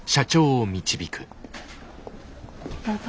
どうぞ。